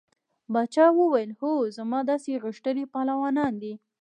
باچا وویل هو زما داسې غښتلي پهلوانان دي.